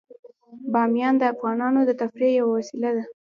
بامیان د افغانانو د تفریح یوه وسیله ده.